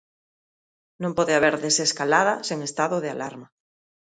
Non pode haber desescalada sen estado de alarma.